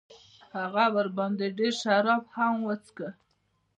هغه ورباندې ډېر شراب هم وڅښل.